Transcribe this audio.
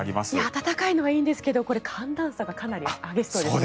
暖かいのはいいんですが寒暖差がかなり激しそうですね。